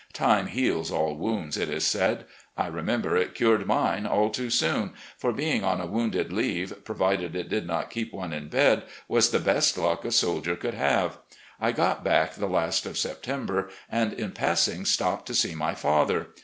Time heals all wounds, it is said. I remember it cured mine all too soon, for, being on a wounded leave, provided it did not keep one in bed, was the best luck a soldier could have. I got back the last of September, and in passing stopped to see my father.